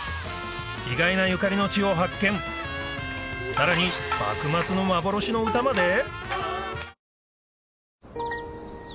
意外なゆかりの地を発見さらに幕末の幻の歌まで！？